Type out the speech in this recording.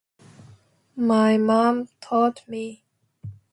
My mom taught me.